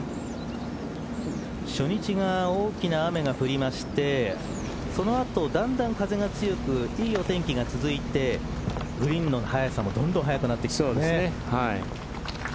初日は大きな雨が降りましてその後だんだん風が強くいいお天気が続いてグリーンの速さもどんどん速くなってきてますね。